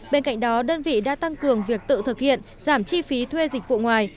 bên cạnh đó đơn vị đã tăng cường việc tự thực hiện giảm chi phí thuê dịch vụ ngoài